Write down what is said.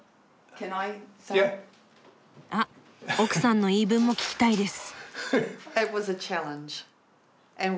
あっ奥さんの言い分も聞きたいです。